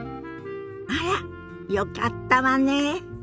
あらっよかったわねえ。